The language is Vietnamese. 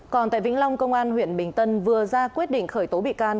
còn tại vĩnh long công an huyện bình tân vừa ra quyết định khởi tố bị can